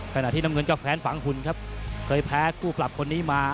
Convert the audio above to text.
ขณะที่น้ำเงินเจ้าแค้นฝังหุ่นครับเคยแพ้คู่ปรับคนนี้มา